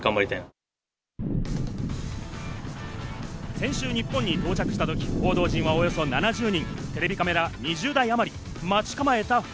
先週日本に到着した時、報道陣はおよそ７０人、テレビカメラ２０台あまり、待ち構えたフ